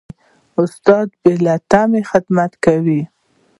استاد بې له تمې خدمت کوي.